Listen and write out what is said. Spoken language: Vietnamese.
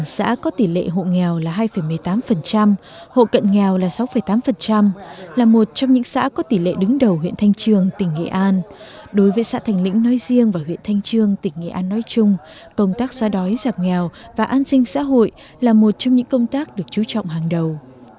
xã có tỷ lệ hộ nghèo là hai một mươi tám hộ cận nghèo là sáu tám là một trong những xã có tỷ lệ đứng đầu huyện thanh trương tỉnh nghệ an đối với xã thành lĩnh nói riêng và huyện thanh trương tỉnh nghệ an nói chung công tác xóa đói giảm nghèo và an sinh xã hội là một trong những công tác được chú trọng hàng đầu